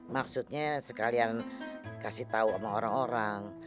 maksudnya sekalian kasih tahu sama orang orang